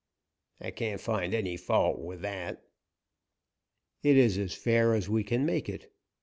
"I can't find any fault with that." "It is as fair as we can make it.